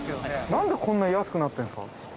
なんでこんなに安くなってるんですか。